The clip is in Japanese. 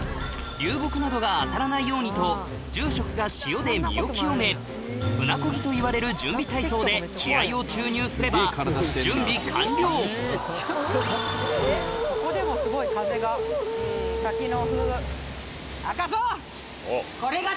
流木などが当たらないようにと住職が舟こぎといわれる準備体操で気合を注入すればここでもすごい風が滝の。